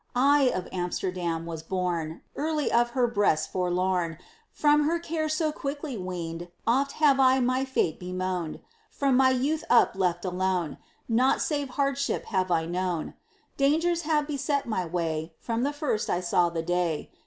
I, of Amsterdam, was born, Early of her breasts forlorn; From her care so quickly weaned Oft have I my fate bemoaned. From my youth up left alone, Naught save hardship have I known; Dangers have beset my way From the first I saw the day.